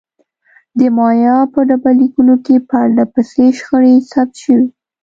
د مایا په ډبرلیکونو کې پرله پسې شخړې ثبت شوې.